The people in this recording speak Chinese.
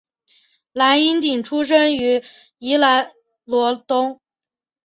蓝荫鼎出生于宜兰罗东